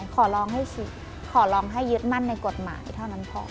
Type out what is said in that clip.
ขอลองให้ยึดมั่นในกฎหมายเท่านั้นพอ